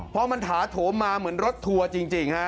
เพราะมันถาโทมมาเหมือนรถทัวร์จริง